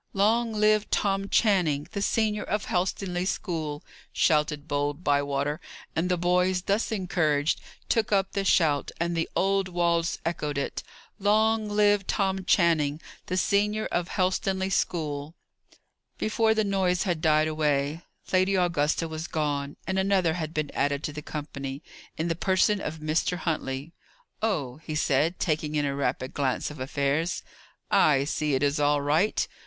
"Long live Tom Channing, the senior of Helstonleigh school!" shouted bold Bywater; and the boys, thus encouraged, took up the shout, and the old walls echoed it. "Long live Tom Channing, the senior of Helstonleigh school!" Before the noise had died away, Lady Augusta was gone, and another had been added to the company, in the person of Mr. Huntley. "Oh," he said, taking in a rapid glance of affairs: "I see it is all right.